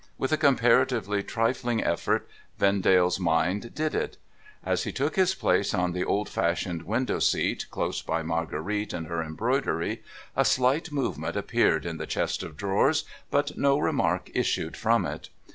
With a comparatively trifling effort, Vendale's mind did it. As he took his place on the old fashioned window seat, close by Marguerite and her embroidery, a slight movement appeared in the chest of drawers, but no remark issued from it.